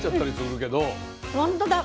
本当だ。